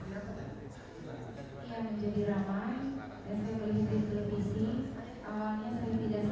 dan bertemu langsung selama lamanya di tempat tempat